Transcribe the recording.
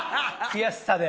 悔しさで。